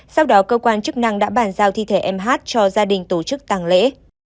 sau đó cơ quan chức năng đã bàn giao thi thể mh cho gia đình tổ chức tàng lễ